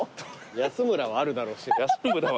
「安村」はあるだろう。